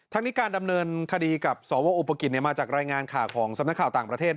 ทั้งนี้การดำเนินคดีกับสวอุปกิจมาจากรายงานข่าวของสำนักข่าวต่างประเทศ